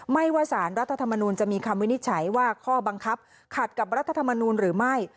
ว่าสารรัฐธรรมนูลจะมีคำวินิจฉัยว่าข้อบังคับขัดกับรัฐธรรมนูลหรือไม่